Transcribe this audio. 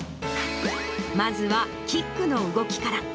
まずはキックの動きから。